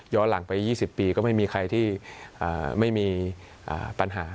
หลังไป๒๐ปีก็ไม่มีใครที่ไม่มีปัญหา